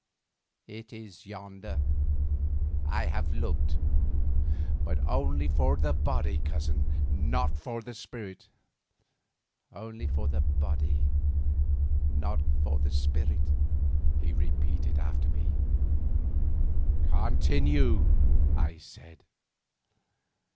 "It is yonder; I have looked." "But only for the body, cousin, not for the spirit." "Only for the body, not for the spirit," he repeated after me. "Continue," I said.